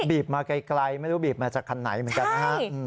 มาไกลไม่รู้บีบมาจากคันไหนเหมือนกันนะฮะ